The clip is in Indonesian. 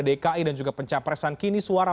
dki dan juga pencapresan kini suara